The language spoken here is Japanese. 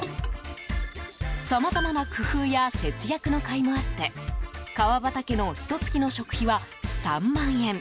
さまざまな工夫や節約のかいもあって川端家のひと月の食費は３万円。